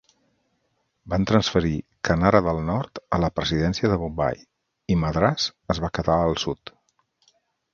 Van transferir Kanara del nord a la Presidència de Bombai, i Madràs es va quedar el sud.